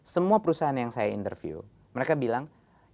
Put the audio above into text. semua perusahaan yang saya interview mereka bilang